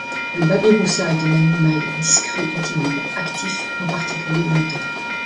Le babiroussa est un animal discret et timide, actif en particulier le matin.